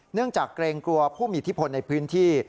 เนื่องจากเกรงกลัวผู้มีอิทธิพลในพื้นที่